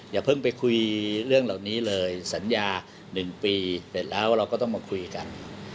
อย่าเพิ่งไปคุยเรื่องเหล่านี้เลยสัญญา๑ปีเสร็จแล้วเราก็ต้องมาคุยกัน